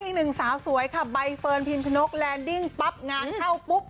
อีกหนึ่งสาวสวยค่ะใบเฟิร์นพิมชนกแลนดิ้งปั๊บงานเข้าปุ๊บ